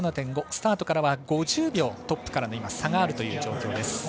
スタートからは５０秒トップからの差があるという状況です。